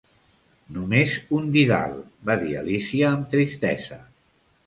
"Només un didal", va dir Alícia amb tristesa.